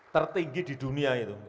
tertinggi di dunia itu